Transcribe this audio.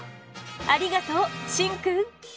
ありがとうシンくん！